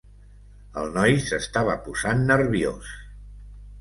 El noi s'estava posant nerviós.